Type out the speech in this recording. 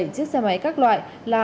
một mươi bảy chiếc xe máy các loại là